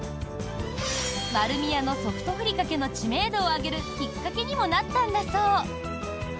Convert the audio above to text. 丸美屋の「ソフトふりかけ」の知名度を上げるきっかけにもなったんだそう。